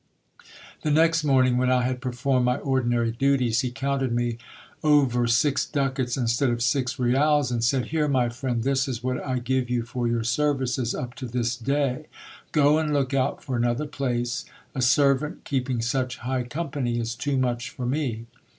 The next morning, when I had performed my ordinary duties, he counted me over six ducats instead of six rials, and said— Here, my friend, this is what I give you for your services up to this day. Go and look out for another place. A servant keeping such high company is too much for me.